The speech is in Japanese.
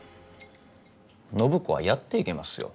暢子はやっていけますよ。